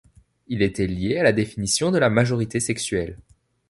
Il était lié à la définition de la majorité sexuelle.